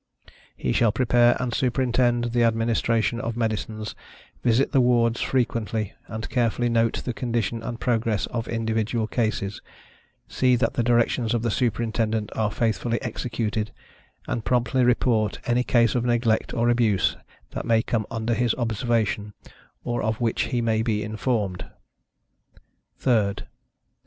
He shall prepare and superintend the administration of medicines, visit the wards frequently, and carefully note the condition and progress of individual cases; see that the directions of the Superintendent are faithfully executed, and promptly report any case of neglect or abuse that may come under his observation, or of which he may be informed. THIRD.